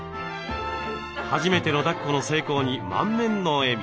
初めてのだっこの成功に満面の笑み。